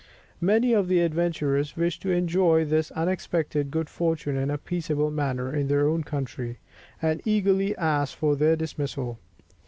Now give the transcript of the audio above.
Many of the adventurers wished to enjoy this unexpected good fortune in a peaceable manner in their own country, and eagerly asked for their dismissal.